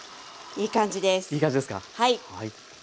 いい感じですか。